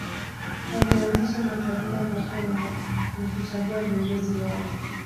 Walianzisha makabila mapya na kuchagua viongozi wao.